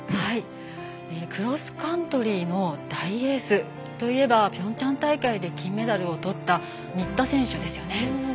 クロスカントリーの大エースといえばピョンチャン大会で金メダルをとった新田選手ですよね。